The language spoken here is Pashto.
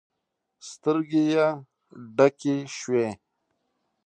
سترګې يې ډکې شوې.